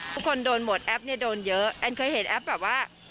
ทุกคนโดนหมดแอปเนี่ยโดนเยอะแอนเคยเห็นแอปแบบว่า